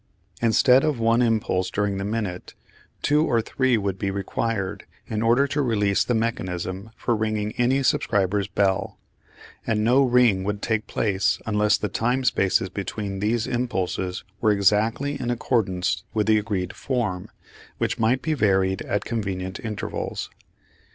Instead of one impulse during the minute, two or three would be required, in order to release the mechanism for ringing any subscriber's bell; and no ring would take place unless the time spaces between these impulses were exactly in accordance with the agreed form, which might be varied at convenient intervals.